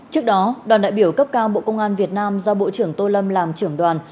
trước đó đoàn đại biểu cấp cao bộ công an việt nam do bộ trưởng tô lâm làm trưởng đoàn